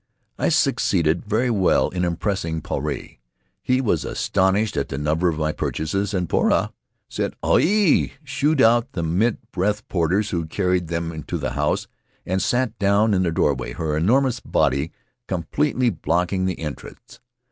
I succeeded very well in impressing Puarei. He was astonished at the number of my purchases; and Poura said, "Au e! ,: shooed out the mint breathed porters who carried them to the house, and sat down in the doorway, her enormous body completely blocking the entrance.